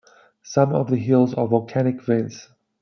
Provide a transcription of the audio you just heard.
Some of the hills are volcanic vents.